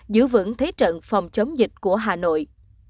giữ vững thế trận phòng chống dịch của hà nội